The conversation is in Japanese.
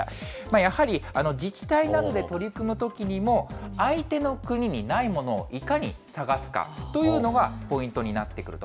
やはり、自治体などで取り組むときにも、相手の国にないものを、いかに探すかというのがポイントになってくると。